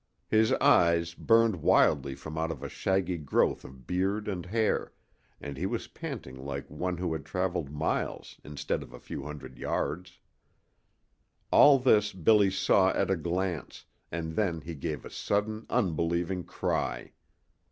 His eyes burned wildly from out of a shaggy growth of beard and hair, and he was panting like one who had traveled miles instead of a few hundred yards. All this Billy saw at a glance, and then he gave a sudden unbelieving cry.